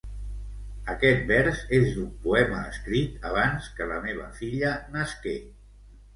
Aquest vers és d'un poema escrit abans que la meva filla nasqué.